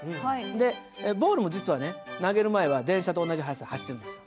でボールも実はね投げる前は電車と同じ速さで走ってるんですよ。